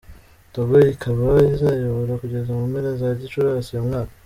Togo ikaba izayobora kugeza mu mpera za Gicurasi uyu mwaka.